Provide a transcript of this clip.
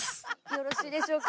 よろしいでしょうか？